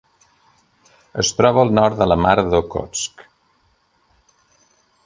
Es troba al nord de la Mar d'Okhotsk.